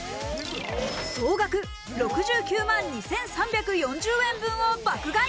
総額６９万２３４０円分を爆買い。